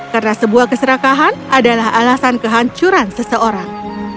karena sebuah keserakahan adalah alasan kehancuran seseorang